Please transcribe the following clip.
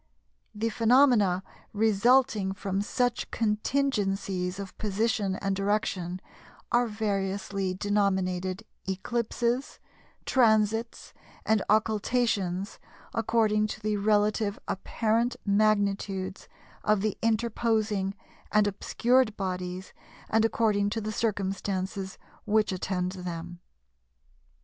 The phenomena resulting from such contingencies of position and direction are variously denominated Eclipses, Transits, and Occultations, according to the relative apparent magnitudes of the interposing and obscured bodies, and according to the circumstances which attend them."